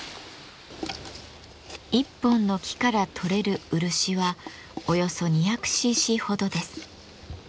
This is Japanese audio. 一本の木からとれる漆はおよそ２００ｃｃほどです。